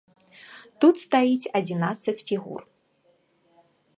Тут стаіць адзінаццаць фігур.